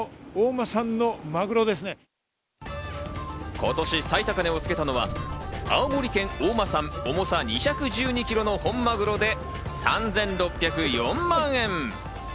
今年最高値をつけたのは青森県大間産、重さ２１２キロの本マグロで３６０４万円。